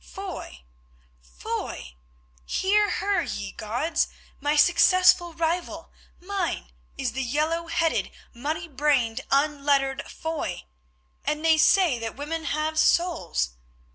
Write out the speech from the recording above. "Foy! Foy! Hear her, ye gods! My successful rival, mine, is the yellow headed, muddy brained, unlettered Foy—and they say that women have souls!